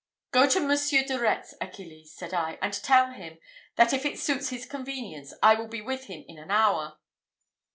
"Go to Monsieur de Retz, Achilles," said I, "and tell him, that if it suits his convenience, I will be with him in an hour."